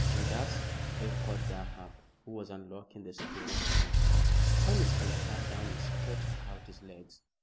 "Judas?" echoed Durham, who was unlocking the spirit stand. Conniston sat down and stretched out his legs.